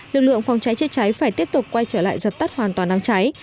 lực lượng phòng cháy chữa cháy phải tiếp tục quay trở lại dập tắt hoàn toàn đám cháy